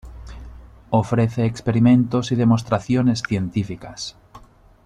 Ofrece experimentos y demostraciones científicas.